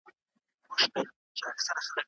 خلګ به په عامه ځايونو کي په ډاډه زړه مطالعه کوي.